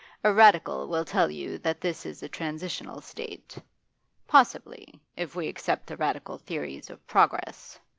A Radical will tell you that this is a transitional state. Possibly, if we accept the Radical theories of progress.